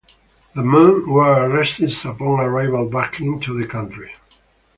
The men were arrested upon arrival back into the country.